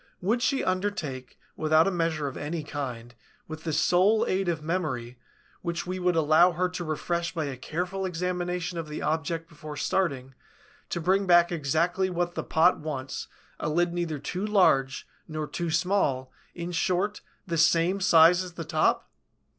Would she undertake, without a measure of any kind, with the sole aid of memory, which we would allow her to refresh by a careful examination of the object before starting, to bring back exactly what the pot wants, a lid neither too large nor too small, in short, the same size as the top?"